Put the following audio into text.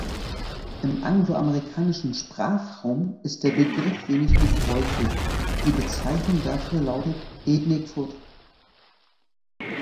Im angloamerikanischen Sprachraum ist der Begriff wenig gebräuchlich; die Bezeichnung dafür lautet "Ethnic Food".